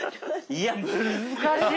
いや難しい！